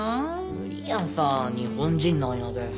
無理やさ日本人なんやで。